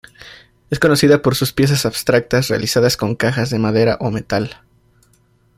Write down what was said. Es conocida por sus piezas abstractas realizadas con cajas de madera o metal.